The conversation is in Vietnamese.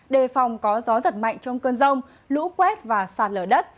đề phòng có gió giật mạnh trong cơn rông lũ quét và sạt lở đất